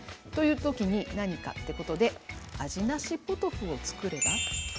という時に何かということで味なしポトフをつくれば？